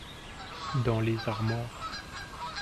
Dans les armoires.